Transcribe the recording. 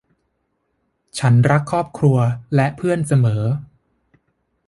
ฉันรักครอบครัวและเพื่อนเสมอ